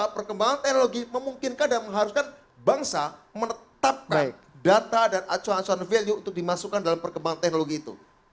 perkembangan teknologi memungkinkan dan mengharuskan bangsa menetapkan data dan acuan acuan value untuk dimasukkan dalam perkembangan teknologi itu